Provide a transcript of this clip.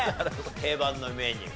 定番のメニュー。